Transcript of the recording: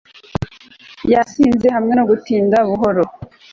yasinze hamwe no gutinda buhoro